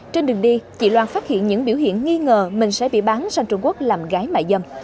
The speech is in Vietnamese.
trên đường đi chị loan phát hiện những biểu hiện nghi ngờ mình sẽ bị bán sang trung quốc làm gái mại dâm